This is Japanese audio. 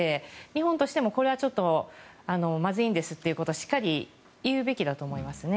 日本としても、これはちょっとまずいんですってことをしっかり言うべきだと思いますね。